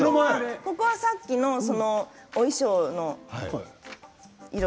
ここはさっきのお衣装